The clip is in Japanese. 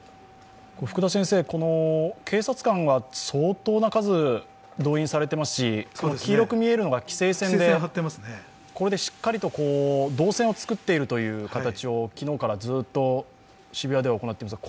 警察官は相当な数動員されていますし、黄色く見えるのが規制線で、これでしっかりと動線を作っているという形を昨日からずっと渋谷では行っています。